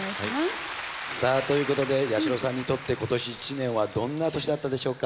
さあということで八代さんにとって今年一年はどんな年だったでしょうか？